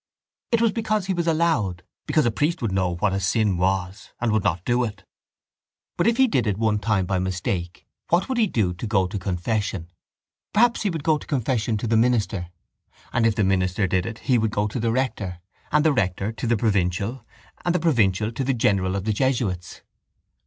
It was because he was allowed because a priest would know what a sin was and would not do it. But if he did it one time by mistake what would he do to go to confession? Perhaps he would go to confession to the minister. And if the minister did it he would go to the rector: and the rector to the provincial: and the provincial to the general of the jesuits.